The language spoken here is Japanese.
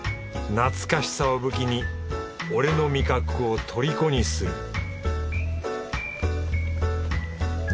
懐かしさを武器に俺の味覚をとりこにする